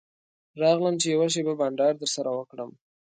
راغلم چې یوه شېبه بنډار درسره وکړم.